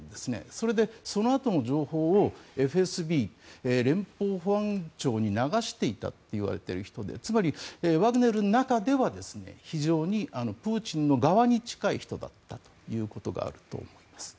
それで、そのあとも情報をＦＳＢ・連邦保安庁に流していたといわれている人でつまり、ワグネルの中では非常にプーチンの側に近い人だったということがあると思います。